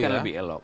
akan lebih elok